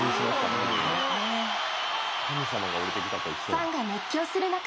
ファンが熱狂する中